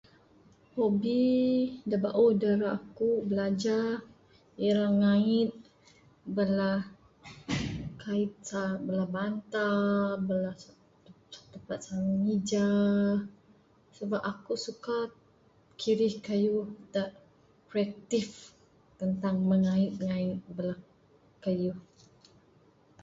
Hobi da bauh dak ira aku belajar ira ngait bala kait, bala sarung bantal bala tempat sarung mija sabab aku suka kirih keyuh dak kreatif tentang mengait ngait bala keyuh.